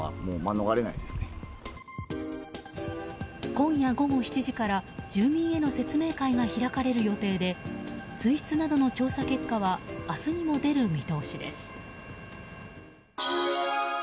今夜午後７時から住民への説明会が開かれる予定で水質などの調査結果は明日にも出る見通しです。